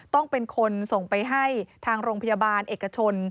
ต้องเป็นคนส่งไปให้ทางโรงพยาบาลเอกชน